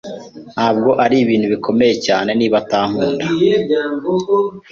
Ntabwo ari ibintu bikomeye cyane niba atankunda cyane.